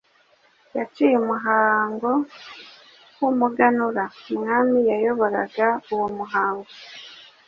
yaciye umuhango w'umuganura: umwami yayoboraga uwo muhango